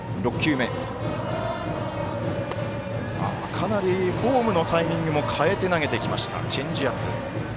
かなりフォームのタイミングも変えて投げてきましたチェンジアップ。